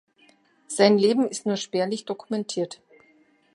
Sein Leben ist nur spärlich dokumentiert.